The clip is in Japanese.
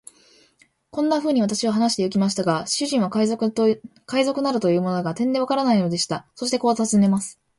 こんなふうに私は話してゆきましたが、主人は海賊などというものが、てんでわからないのでした。そしてこう尋ねます。